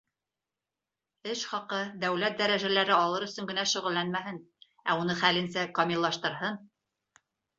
Эш хаҡы, дәүләт дәрәжәләре алыр өсөн генә шөғөлләнмәһен, ә уны хәленсә камиллаштырһын.